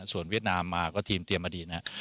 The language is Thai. ส่วนเวียดนามมาก็ทีมเตรียมมาดีนะครับ